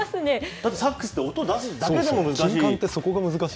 だって、サックスって音出すだけでも難しい。